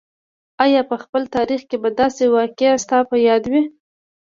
آیا په خپل تاریخ کې به داسې واقعه ستا په یاد وي.